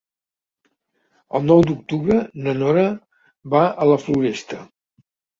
El nou d'octubre na Nora va a la Floresta.